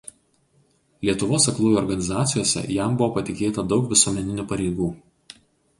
Lietuvos aklųjų organizacijose jam buvo patikėta daug visuomeninių pareigų.